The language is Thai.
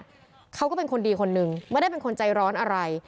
มันไม่ได้เป็นคนดีคนหนึ่งไม่ได้เป็นคนใจร้อนอะไร